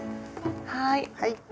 はい。